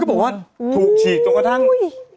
ก็บอกว่าถูกฉีกตรงกำลังทั้ง